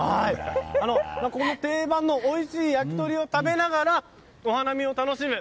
この定番のおいしい焼き鳥を食べながらお花見を楽しむ。